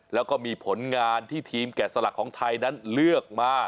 แล้วก็มีผลงานที่ทีมแกะสลักของไทยนั้นเลือกมา